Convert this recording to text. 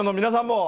皆さん。